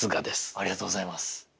ありがとうございます。